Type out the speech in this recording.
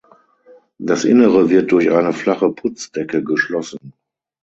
Das Innere wird durch eine flache Putzdecke geschlossen.